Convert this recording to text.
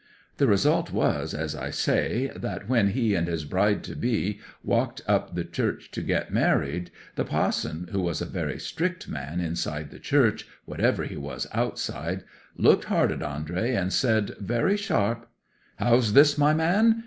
The result was, as I say, that when he and his bride to be walked up the church to get married, the pa'son (who was a very strict man inside the church, whatever he was outside) looked hard at Andrey, and said, very sharp: '"How's this, my man?